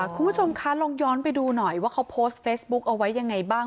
คุณผู้ชมคะลองย้อนไปดูหน่อยว่าเขาโพสต์เฟซบุ๊คเอาไว้ยังไงบ้าง